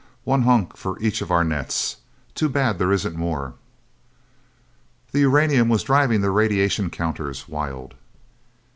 One hunk for each of our nets. Too bad there isn't more." The uranium was driving their radiation counters wild.